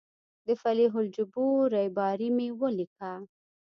د فلیح الجبور ریباري مې ولیکه.